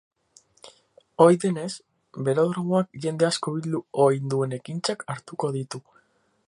Ohi denez, belodromoak jende asko bildu ohi duen ekintzak hartuko ditu.